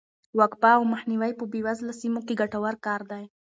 وقفه او مخنیوی په بې وزله سیمو کې ګټور کار دی.